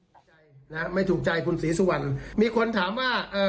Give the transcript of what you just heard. ถูกใจนะฮะไม่ถูกใจคุณศรีสุวรรณมีคนถามว่าเอ่อ